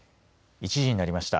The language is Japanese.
１時になりました。